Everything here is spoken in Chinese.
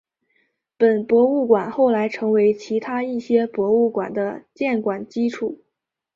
本博物馆后来成为其他一些博物馆的建馆基础。